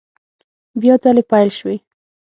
بیا ځلي پیل شوې